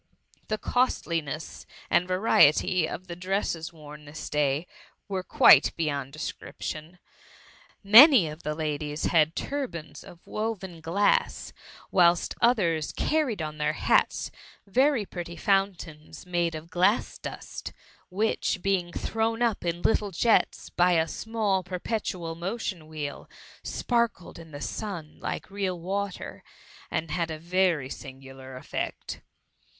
The costliness and variety of the dresses worn this day were quite beyond description. Many of the ladies had turbans of woven glass ; whilst others carried on their hats very pretty fountains made of glass dust, which, being thrown up in little jets by a small perpetual motion wheel, sparkled in the sun like real water, and had a very singular effect.